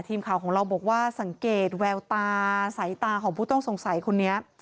ทีมข่าวของเราบอกว่าสังเกตแววตาสายตาของผู้ต้องสงสัยคนนี้